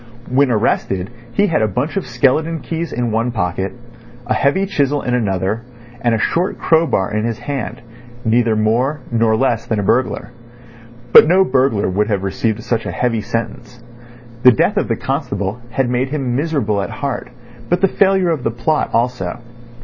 When arrested he had a bunch of skeleton keys in one pocket, a heavy chisel in another, and a short crowbar in his hand: neither more nor less than a burglar. But no burglar would have received such a heavy sentence. The death of the constable had made him miserable at heart, but the failure of the plot also.